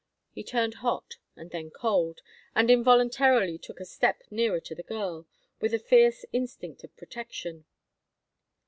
He turned hot and then cold, and involuntarily took a step nearer to the girl, with a fierce instinct of protection.